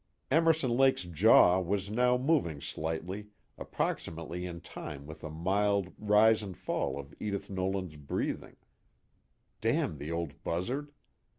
Emerson Lake's jaw was now moving slightly, approximately in time with the mild rise and fall of Edith Nolan's breathing damn the old buzzard.